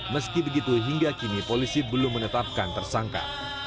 meski begitu hingga kini polisi belum menetapkan tersangka